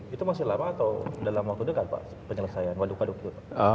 itu masih lama atau sudah lama waktu itu pak penyelesaian waduk waduk itu